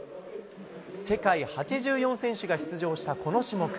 世界８４選手が出場した、この種目。